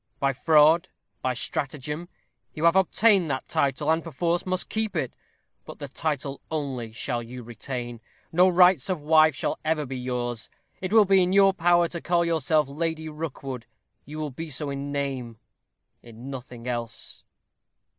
By fraud, by stratagem, you have obtained that title, and, perforce, must keep it. But the title only shall you retain. No rights of wife shall ever be yours. It will be in your power to call yourself Lady Rookwood you will be so in name in nothing else."